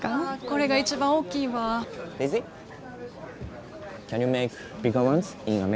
あこれが一番大きいわあ。